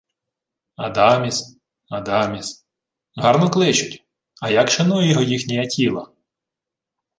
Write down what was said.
— Адаміс... Адаміс... Гарно кличуть. А як шанує його їхній Аттіла?